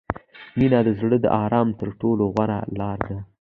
• مینه د زړه د آرام تر ټولو غوره لاره ده.